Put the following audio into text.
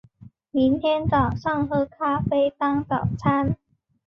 明天早上喝咖啡当早餐